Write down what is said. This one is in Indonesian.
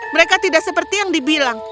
mereka tidak seperti yang dibilang